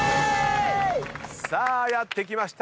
さあやって来ました